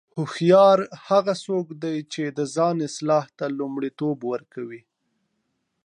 هوښیار څوک دی چې د ځان اصلاح ته لومړیتوب ورکوي.